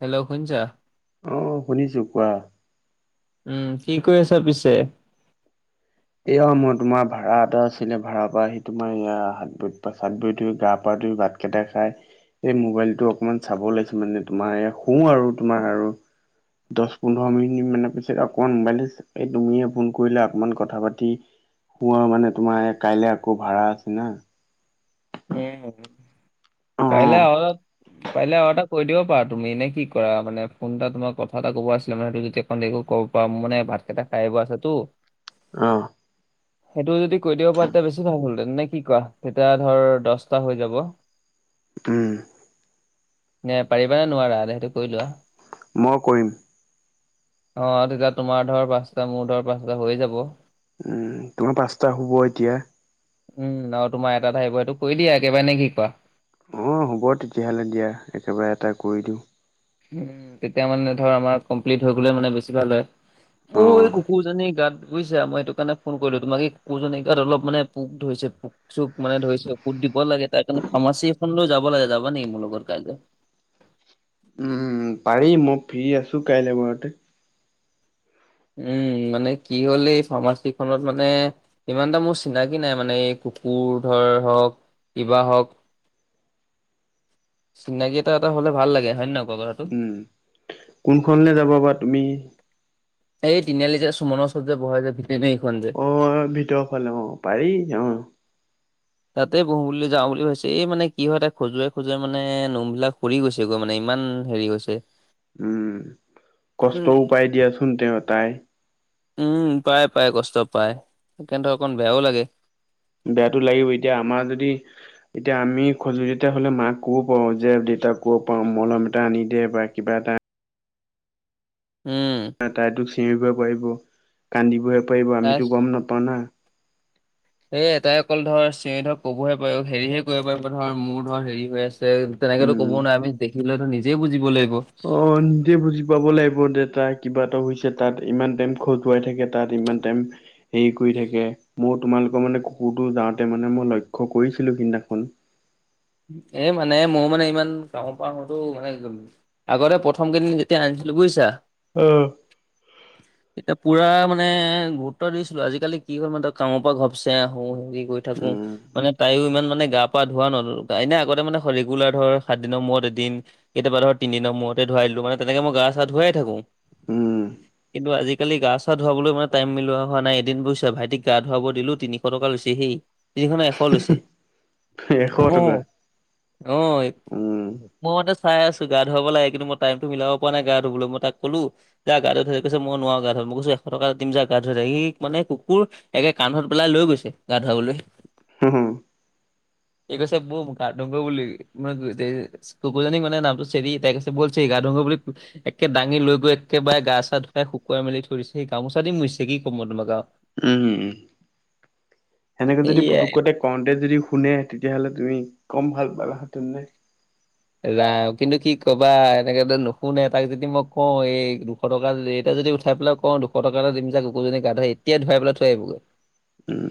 Hello শুনিছা। অ' শুনিছো কোৱা। উম কি কৰি আছা পিছে। এয়া মই তোমাৰ ভড়া এটা আছিলে ভাৰা পৰা আহি তোমাৰ ইয়াত হাত ভৰি পা ধুই গা পা ধুই ভাত কেইটা খাই এই মোবাইলটো অকমান চাব ওলাইছো মানে তোমাৰ শু আৰু তোমাৰ আৰু। দহ পোন্ধৰ মিনিট মানৰ পিছত অকমান মোবাইল এই তুমিয়ে ফোন কৰিলে অকমান কথা পাতি তি শুমানে তোমাৰ কাইলে আকৌ ভাড়া আছে না। উম পাৰিলে অ', আৰু অলপ পাৰিলে আৰু এটা কৰি দিব পাৰা তুমি এনে কি কৰা মানে ফোন এটা তোমাৰ কথা এটা কব আছিলে মানে সেইটো যেতিয়া অকমান দেৰিকো ক'ব পৰা মোৰ মানে ভাত কেইটা খাই আহিব আছেতো। অ সেইটো যদি কৈ দিব পাৰা তেতিয়া বেছি ভাল হ'ল হেঁতেন, নে কি কোৱা? তেতিয়া ধৰ দছটা হৈ যাব। উম। নে পাৰিবা নে নোৱাৰা? সেইটো কৈ লোৱা? মই কৰিম। অ তেতিয়া তোমাৰ ধৰ পাঁচটা মোৰ ধৰ পাঁচটা হৈয়ে যাব। উম, তোমাৰ পাঁচটা হ'ব এতিয়া। উম, আৰু তোমাৰ এটা থাকিব। সেইটো কৰি দিয়া একেবাৰে নে কি কোৱা? অঁ, হ'ব তেতিয়াহ'লে দিয়া, একেবাৰে এটা কৰি দিওঁ। উম, তেতিয়া মানে ধৰ আমাৰ কমপ্লিট হৈ গ'লে মানে বেছি ভাল হয়। মোৰ অ'। এই কুকুৰ জনী গাট বুইছা? মই সেইটো কাৰণে ফোন কৰিলোঁ তোমাক এই কুকুৰ জনী গাট অলপ মানে পোক ধৰিছে পোক। চুপ মানে ধৰিছো ফুত দিব লাগে। তাৰ কাৰণে ফাৰ্মাছি এখনলৈও যাব লাগে। যাবা নেকি মোৰ লগত কাইলে? উম, পাৰি মই ফ্ৰী আছোঁ কাইলে ঘৰতে। উম, মানে কি হ'ল এই ফাৰ্মাছি খনত মানে ইমান এটা মোৰ চিনাকি নাই মানে এই কুকুৰ ধৰ হৱক, কিবা হৱক চিনাকি এটা এটা হ'লে ভাল লাগে। হয় নে ন উম, কোন খনলে যাবা বা তুমি? এই তিনিআলি যে চুমনৰ ওচৰত যে বহে যে ভিটেনেৰী খন যে অ অ, ভিতৰৰ ফালে অ পাৰি অ। তাতে বহো বুলি যাওঁ বুলি ভাবিছোঁ। এই মানে কি হয় তাই খজুৱাই খজুৱাই মানে নোম বিলাক সৰি গৈছ ছেগৈ মানে ইমান হেৰী হৈছে। উম, উম কষ্টও পায় দিয়া চোন তেওঁ তাই। উম, পায় পায় কষ্ট পায়। সেইকাৰণে ত' অকণ বেয়াও লাগে। বেয়াতো লাগিবই। এতিয়া আমাৰ যদি এতিয়া আমি খজুলি এটা হ'লে মাক ক'ব পাৰোঁ যে দেউতাক ক'ব পাৰোঁ মলম এটা আনি দে বা কিবা এটা উম। তাই তোক চিঞৰিবহে পাৰিব, কান্দিবহে পাৰিব, তাই আমিতো গম নাপাওঁ না। এ এটাই অকল ধৰ চিঞৰি ধৰক ক'বহে পাৰিব, হেৰীহে কৰিব পাৰিব ধৰ মোৰ ধৰ হেৰী হৈ আছ ছে। তেনেকেটো উম। ক'ব নোৱাৰে। আমি দেখি পেলাই তো নিজে বুজিব লাগিব। অ নিজে বুজি পাব লাগিব, যে তাই কিবা এটা হৈছে। তাত ইমান টাইম খজুৱাই থাকে। তাত ইমান টাইম হেৰী কৰি থাকে। মোৰ তোমালোকৰ মানে কুকুৰটো যাওঁতে মানে মই লক্ষ্য কৰিছিলোঁ সিদিনা খন। এ মানে মোৰ মানে ইমান কামৰ পৰা আহোটো মানে আগতে প্ৰথম কেইদিন যেতিয়া আনিছিলো, বুইছা? অহ। [unintelligible] তেতিয়া পোৰা মানে গুৰুত্ব দিছিলোঁ। আজিকালি কি হ'ল মানে ত' কামৰ পৰা ঘপছে আহো, কি কৰি থাকোঁ। উম মানে তাইও ইমান মানে গা পা ধুৱা ন' তাই এনেই আগতে মানে শৰি ৰেগুলাৰ ধৰ সাত দিনৰ মূৰত এদিন কেতিয়াবা ধৰ তিনি দিনৰ মূৰতে ধুৱাই দিলোঁ, মানে তেনেকে মই গা চা ধুৱায়ে থাকোঁ। উম কিন্তু আজিকালি গা চা ধুৱাবলৈ মানে টাইম মিলোৱা হোৱা নাই। এদিন বুইছা, ভাইটিক গা ধুৱাব দিলোঁ, তিনিশ টকা লৈছে সি। তিনিশ নহয় এশ লৈছে। এশ অ, টকা অ উম মোৰ মতে চায়ে আছোঁ গা ধুৱাব লাগে কিন্তু মই টাইমটো মিলাব পৰা নাই গা ধুবলৈ, মই তাক ক'লো যা গাটো ধোৱাই, কৈছে মই নোৱাৰোঁ গা ধুৱাব মই কৈছোঁ এশ টকা দিম যা গা ধুৱাই দেগে। সি মানে কুকুৰ একে কান্ধত পেলাই লৈ গৈছে গা ধুৱাবলৈ। হ'ম, হ'ম। সি কৈছে বৈ গা ধুও গৈ বুলি। কুকুৰজনী মানে নামটো চেৰি তাই কৈছে বৈ চেৰি গা ধোওঁ গৈ। একে দাঙি লৈ গৈ একেবাৰে গা চা ধুৱাই শুকুৱাই মেলি থৈ দিছে। সি গামোচা দি মোচিছে কি কম মই তোমাক আহ উম। সেনেকে যদি সেয়াই পুতুকতে কওঁতে যদি শুনে তেতিয়াহ'লে তুমি কম ভাল পালাহেঁতেন নে? ৰাম কিন্তু কি ক'বা এনেকে নুশুনে। তাক যদি মই কওঁ এই এশ টকা এতিয়া যদি উঠাই পেলাই কওঁ দুশ টকা এটা দিম যা কুকুৰজনী গা ধোৱা, এতিয়া ধুৱাই পেলাই থৈ আহিব গৈ। উম।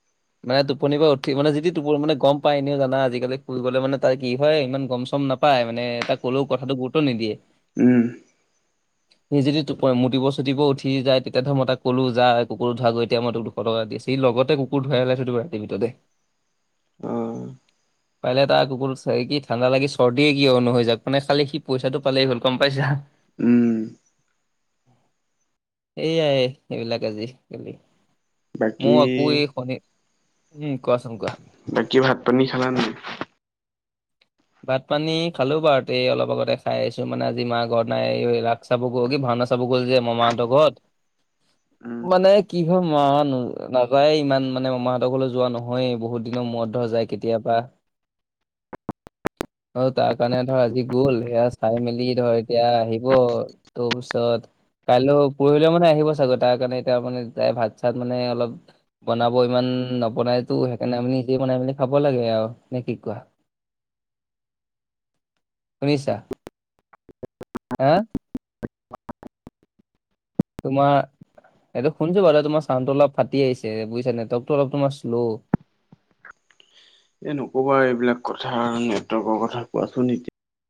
[inaudible] মানে টোপনিৰ পৰা উঠি মানে যিটো টোপনি মানে গ'ম পায় এনেও জানা আজিকালি শুই গ'লে মানে কি হয় ইমান গ'ম চম নাপাই মানে এই তাক ক'লেও কথাটো গুৰুত্ব নিদিয়ে। উম। [inaudible] সি যদি মুতিব চুটিব উঠি যায়। তেতিয়া ধৰ মই তাক কলোঁ যা কুকুৰো ধোঁৱা গৈ তেতিয়া মই তোক দুশ দুশ টকা দিছো সি লগতে কুকুৰ ধুৰাই পেলাই থৈ দিব ৰাতিটো ভিতৰতে। অ পাৰিলে এটা কুকুৰ এটা চেৰেকি ঠাণ্ডা লাগি চৰ্দিয়ে কিয় নো হৈ যাওঁক মান খালি সি পইচাটো পালেই হ'ল গ'ম পাইছা। উম এইয়া সেইবিলাক আজি কালি বাকী মোৰ আকৌ এই শনি উম, কোৱাচোন কোৱা। বাকী ভাত পানী খালা নাই? ভাত পানী খালোঁ বাৰু তেই অলপ আগতে খাই আহিছোঁ মানে আজি মা ঘৰত নাই। চাব গ'ল কি ভাওনা চাব গ'ল যে মামাহঁতৰ ঘৰত উম মানে কি হয় মামা ঘৰত নাযায় ইমান মানে মামাহঁতক ঘৰলৈ যোৱা নহয়। বহুত দিনৰ মূৰত ধৰা যায় কেতিয়াবা। অ' তাৰ কাৰণে ধৰ আজি গ'ল সেইয়া চাই মেলি ধৰ এতিয়া আহিব তোৰ পিছত কাইলৈ পৰহিলেও মানে আহিব চাগৈ। তাৰ কাৰণে এতিয়া দাই মানে ভাত চাত মানে অলপ বনাব ইমান নবনাইটো। সেইকাৰণে আমি নিজেই বনাই মেলি খাব লাগে আৰু নে কি কোৱা? শুনিছা? হা তোমাৰ এইটো শুনিছোঁ বাৰু তোমাৰ চাউনটো অলপ ফাটি আহিছে বুইছা নেটৱকৰ্টো অলপ তোমাৰ শ্ল এই নকবা এইবিলাক কথা নেটৱৰ্কৰ কথা কোৱাচোন এতিয়া।